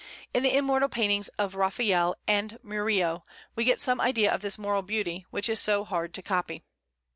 In the immortal paintings of Raphael and Murillo we get some idea of this moral beauty, which is so hard to copy.